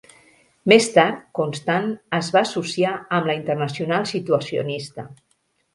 Més tard, Constant es va associar amb la Internacional Situacionista.